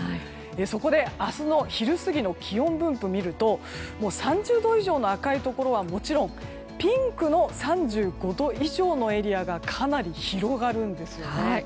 そこで、明日の昼過ぎの気温分布を見ると３０度以上の赤いところはもちろんピンクの３５度以上のエリアがかなり広がるんですよね。